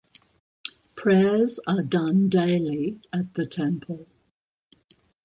Prayers are done daily at the temple.